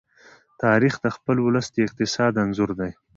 تاریخ د خپل ولس د اقتصاد انځور دی.